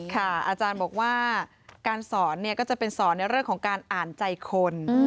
อาจารย์บอกว่าการสอนก็จะเป็นสอนในเรื่องของการอ่านใจคน